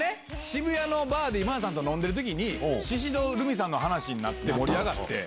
渋谷のバーで今田さんと飲んでる時に宍戸留美さんの話になって盛り上がって。